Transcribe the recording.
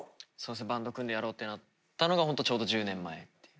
バンド組んでやろうってなったのがホントちょうど１０年前っていう。